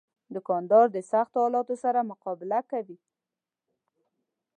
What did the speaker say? دوکاندار د سختو حالاتو سره مقابله کوي.